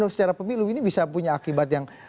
secara pemilu ini bisa punya akibat yang